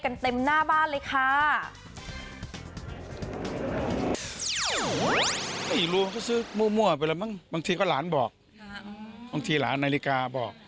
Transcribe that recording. เต็มหน้าบ้านเลยค่ะ